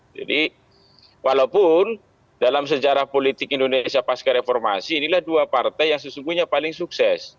jadi walaupun dalam sejarah politik indonesia pasca reformasi inilah dua partai yang sesungguhnya paling sukses